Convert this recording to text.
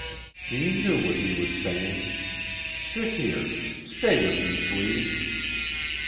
"He knew what he was saying. Sit here. Stay with me, please."